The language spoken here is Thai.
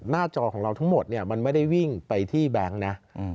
จอของเราทั้งหมดเนี่ยมันไม่ได้วิ่งไปที่แบงค์นะ